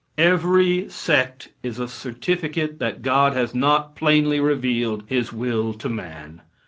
Every sect is a certificate that God has not plainly revealed His will to man.